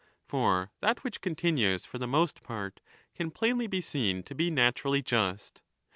For that which continues for the most part can plainly be seen to be naturally just.